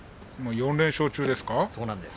４連勝中ですか。